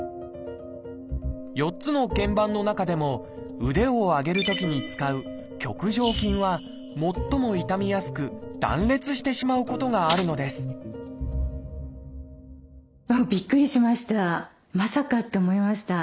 ４つの腱板の中でも腕を上げるときに使う「棘上筋」は最も傷みやすく断裂してしまうことがあるのですびっくりしました。